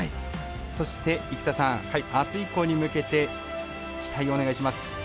そして、生田さんあす以降に向けて期待をお願いします。